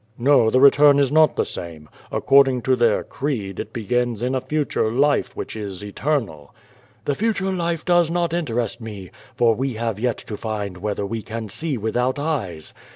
, "Xo, the return is not the same. According to their creed, it begins in a future life, which is eternal." "The future life does not interest me, for we have 3'et to find whether we can see without eyes.